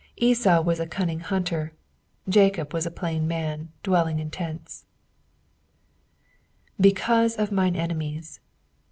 Esau was a cunning hunter, Jacob was a plain man, dwelling in tents. ^^ Beonvae of mitie memiet."